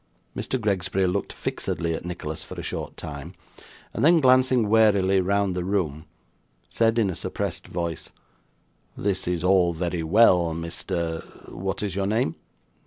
Mr. Gregsbury looked fixedly at Nicholas for a short time, and then glancing warily round the room, said in a suppressed voice: 'This is all very well, Mr what is your name?